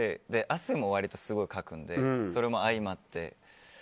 あと汗も割とすごいかくのでそれも相まって。